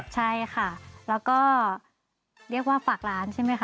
ใช่ค่ะแล้วก็เรียกว่าฝากร้านใช่ไหมคะ